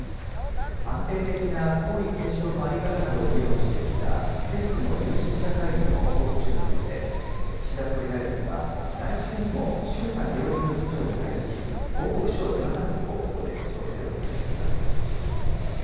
安定的な皇位継承の在り方などを議論してきた、政府の有識者会議の報告書について、岸田総理大臣は、来週にも衆参両院の議長に対し、報告書を手渡す方向で調整を進めています。